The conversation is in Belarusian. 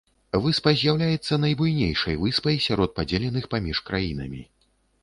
Выспа з'яўляецца найбуйнейшай выспай сярод падзеленых паміж краінамі.